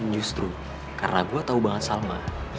justru karena gue tahu banget salma